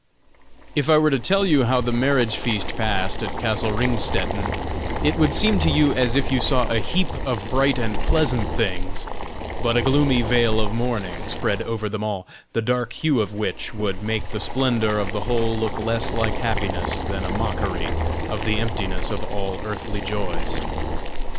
If I were to tell you how the marriage feast passed at castle Ringstetten, it would seem to you as if you saw a heap of bright and pleasant things, but a gloomy veil of mourning spread over them all, the dark hue of which would make the splendor of the whole look less like happiness than a mockery of the emptiness of all earthly joys.